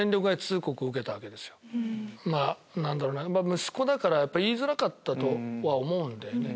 何だろうな息子だから言いづらかったとは思うんだよね。